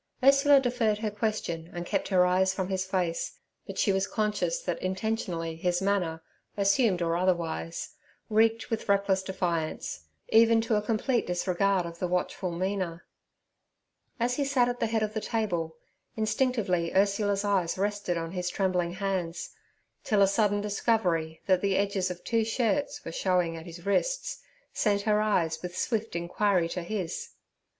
Ursula deferred her question and kept her eyes from his face, but she was conscious that intentionally his manner, assumed or otherwise, reeked with reckless defiance, even to a complete disregard of the watchful Mina. As he sat at the head of the table, instinctively Ursula's eyes rested on his trembling hands, till a sudden discovery that the edges of two shirts were showing at his wrists, sent her eyes with swift inquiry to his.